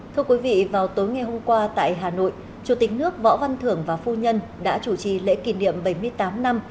thưa quý vị vào tối ngày hôm qua tại hà nội chủ tịch nước võ văn thưởng và phu nhân đã chủ trì lễ kỷ niệm bảy mươi tám năm